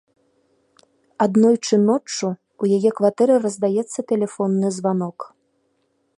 Аднойчы ноччу ў яе кватэры раздаецца тэлефонны званок.